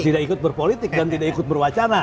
tidak ikut berpolitik dan tidak ikut berwacana